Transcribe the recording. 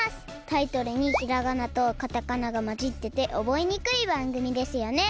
タイトルにひらがなとカタカナがまじってておぼえにくいばんぐみですよね！